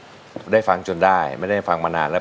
สามแสนค่ะครับแม่ได้ฟังจนได้ไม่ได้ฟังมานานแล้ว